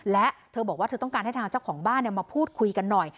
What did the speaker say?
และเธอบอกว่าเธอต้องการให้ทางเจ้าของบ้านมาพูดคุยกันหน่อย